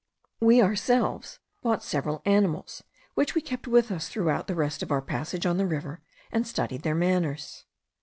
We ourselves bought several animals, which we kept with us throughout the rest of our passage on the river, and studied their manners.